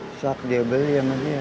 sirsak dia beli sama dia